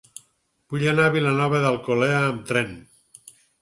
Vull anar a Vilanova d'Alcolea amb tren.